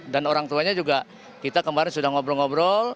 dan orang tuanya juga kita kemarin sudah ngobrol ngobrol